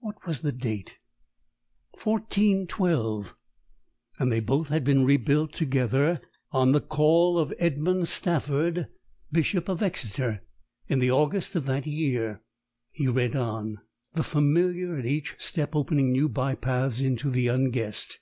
What was the date? 1412. And they both had been rebuilt together on the call of Edmund Stafford, Bishop of Exeter in the August of that year. He read on, the familiar at each step opening new bypaths into the unguessed.